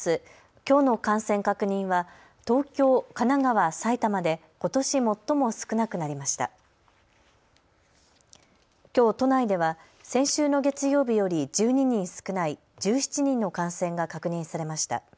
きょう都内では先週の月曜日より１２人少ない１７人の感染が確認されました。